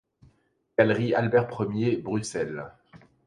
Galerie Albert Ier, Bruxelles.